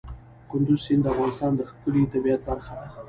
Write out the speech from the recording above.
کندز سیند د افغانستان د ښکلي طبیعت برخه ده.